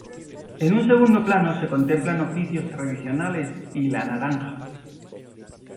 En un segundo plano se contemplan oficios tradicionales y la naranja.